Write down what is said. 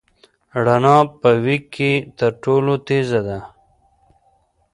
رڼا په وېګ کي تر ټولو تېزه ده.